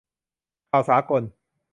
'ข่าวสากล'